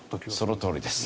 そのとおりです。